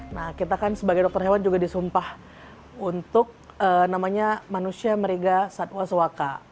nah kita kan sebagai dokter hewan juga disumpah untuk namanya manusia meriga satwa suaka